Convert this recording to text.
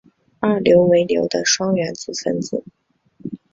二硫为硫的双原子分子。